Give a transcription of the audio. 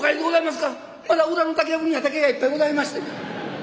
まだ裏の竹やぶには竹がいっぱいございまして。